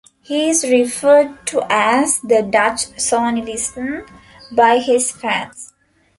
He is referred to as "The Dutch Sonny Liston" by his fans.